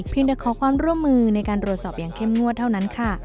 แต่ขอความร่วมมือในการรวดสอบอย่างเข้มงวดเท่านั้นค่ะ